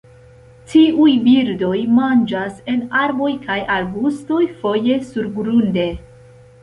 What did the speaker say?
Tiuj birdoj manĝas en arboj kaj arbustoj, foje surgrunde.